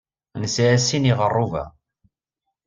Nesɛa sin n yiɣerruba.